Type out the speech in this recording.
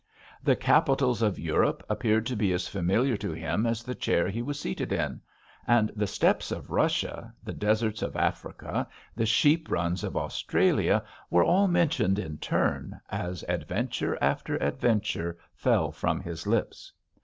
The capitals of Europe appeared to be as familiar to him as the chair he was seated in; and the steppes of Russia, the deserts of Africa, the sheep runs of Australia were all mentioned in turn, as adventure after adventure fell from his lips.